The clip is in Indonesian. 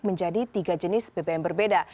menjadi tiga jenis bbm berbeda